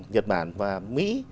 nhật bản và mỹ